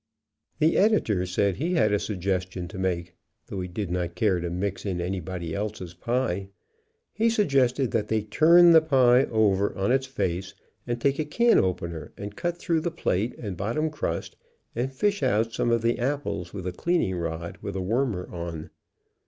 The Editor said he had a suggestion to make, though he did not care to mix in anybody else's pie. He suggested that they turn over the pie on its face, and take a can opener and cut through the plate and bottom crust and fish out some of the apples with a cleaning rod with a wormer on.